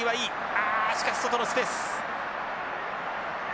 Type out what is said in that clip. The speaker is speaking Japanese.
あしかし外のスペース。